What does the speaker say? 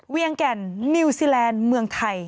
แก่นนิวซีแลนด์เมืองไทย